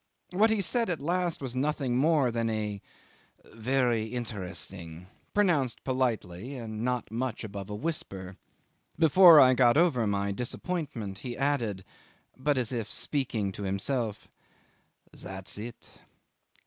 What he said at last was nothing more than a "Very interesting," pronounced politely, and not much above a whisper. Before I got over my disappointment he added, but as if speaking to himself, "That's it.